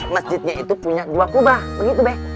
masjidnya itu punya dua kubah begitu bek